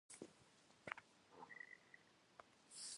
Dıjınıj pşejjam xuedeş.